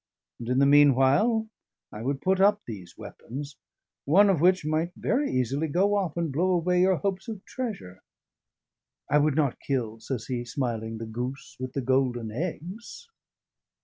And in the meanwhile I would put up these weapons, one of which might very easily go off and blow away your hopes of treasure. I would not kill," says he, smiling, "the goose with the golden eggs."